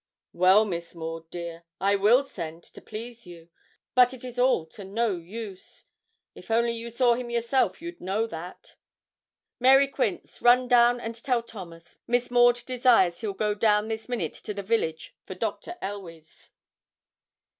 'Well, Miss Maud, dear, I will send to please you, but it is all to no use. If only you saw him yourself you'd know that. Mary Quince, run you down and tell Thomas, Miss Maud desires he'll go down this minute to the village for Dr. Elweys.'